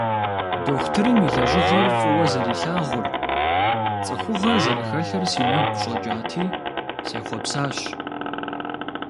Дохутырым и лэжьыгъэр фӀыуэ зэрилъагъур, цӀыхугъэ зэрыхэлъыр си нэгу щӀэкӀати, сехъуэпсащ.